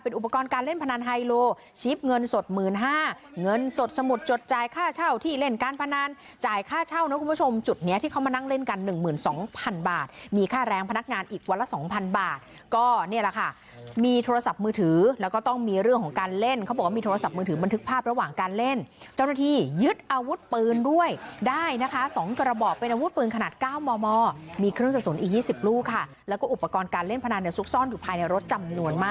เป็นอุปกรณ์การเล่นพนันไฮโลชิบเงินสดหมื่นห้าเงินสดสมุดจด